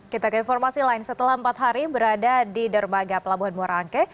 kita ke informasi lain setelah empat hari berada di dermaga pelabuhan muara angke